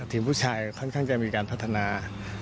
ทีมผู้ชายค่อนข้างจะมีการพัฒนา